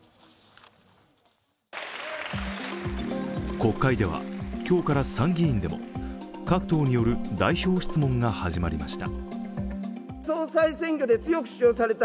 国会では今日から参議院でも、各党による代表質問が始まりました。